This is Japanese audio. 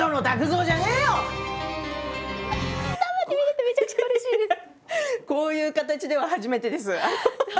こういう形では初めてです。